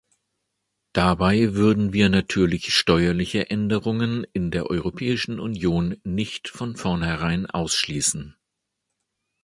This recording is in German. Dabei würden wir natürlich steuerliche Änderungen in der Europäischen Union nicht von vornherein ausschließen.